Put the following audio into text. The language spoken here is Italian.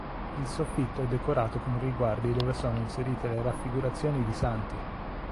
Il soffitto è decorato con riguardi dove sono inserite le raffigurazioni di santi.